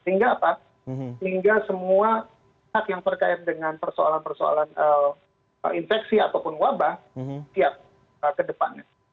sehingga apa sehingga semua pihak yang terkait dengan persoalan persoalan infeksi ataupun wabah siap ke depannya